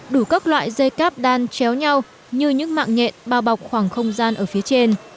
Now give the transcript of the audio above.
đủ các loại dây cáp đan treo nhau như những mạng nhện bao bọc khoảng không gian ở phía trên